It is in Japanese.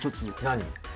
何？